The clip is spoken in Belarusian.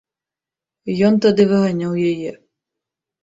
Ён тады выганяў яе.